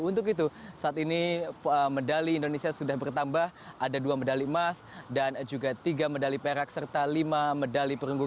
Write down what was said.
untuk itu saat ini medali indonesia sudah bertambah ada dua medali emas dan juga tiga medali perak serta lima medali perunggu